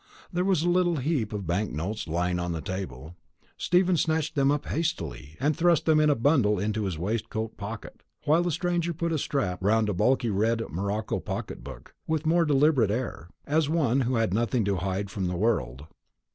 There was a little heap of bank notes lying on the table. Stephen snatched them up hastily, and thrust them in a bundle into his waistcoat pocket; while the stranger put a strap round a bulky red morocco pocket book with a more deliberate air, as of one who had nothing to hide from the world.